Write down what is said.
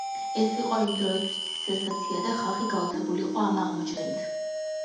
ეს იყო იმდროისთვის სენსაცია და ხალხი გაოცებული იყო ამ აღმოჩენით.